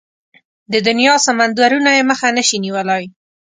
د دنيا سمندرونه يې مخه نشي نيولای.